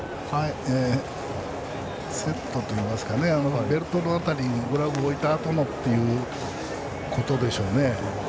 セットといいますかベルトの辺りにグラブを置いたあとのところでしょうね。